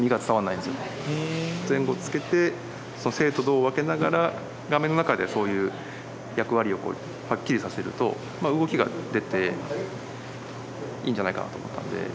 前後つけて静と動を分けながら画面の中でそういう役割をはっきりさせると動きが出ていいんじゃないかなと思ったんで。